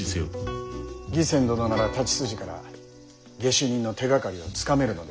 義仙殿なら太刀筋から下手人の手がかりをつかめるのではないかと。